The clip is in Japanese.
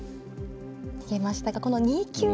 逃げましたがこの２九馬が。